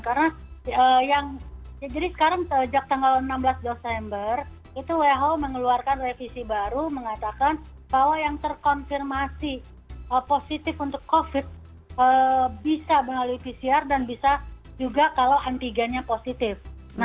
karena yang jadi sekarang sejak tanggal enam belas desember itu who mengeluarkan revisi baru mengatakan bahwa yang terkonfirmasi positif untuk covid bisa melalui pcr dan bisa juga kalau antigennya positif